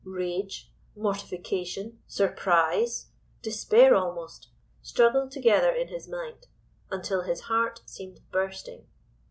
Rage, mortification, surprise, despair almost, struggled together in his mind, until his heart seemed bursting.